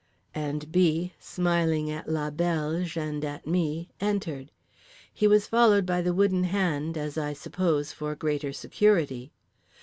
_" And B. (smiling at La Belge and at me) entered. He was followed by The Wooden Hand, as I suppose for greater security.